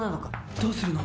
どうするの？